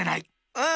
うん！